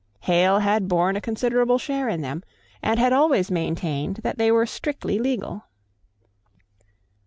Hale had borne a considerable share in them, and had always maintained that they were strictly legal.